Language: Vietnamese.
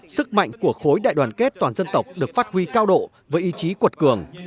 sức mạnh của khối đại đoàn kết toàn dân tộc được phát huy cao độ với ý chí cuột cường